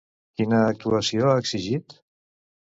Quina actuació ha exigit?